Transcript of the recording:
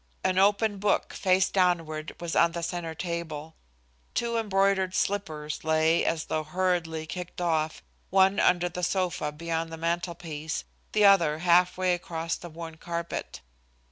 An open book, face downward, was on the centre table. Two embroidered slippers lay as though hurriedly kicked off, one under the sofa beyond the mantelpiece, the other half way across the worn carpet.